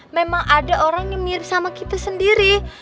memang ada orang yang mirip sama kita sendiri